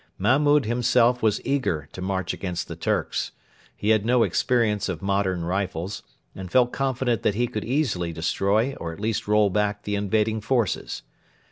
Mahmud himself was eager to march against the 'Turks.' He had no experience of modern rifles, and felt confident that he could easily destroy or at least roll back the invading forces.